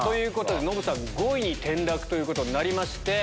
ノブさん５位に転落ということになりまして。